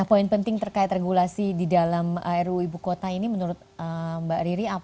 poin penting terkait regulasi di dalam ruu ibu kota ini menurut mbak riri